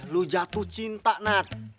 lu jatuh cinta nat